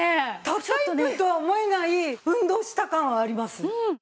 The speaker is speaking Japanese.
たった１分とは思えない運動した感はあります。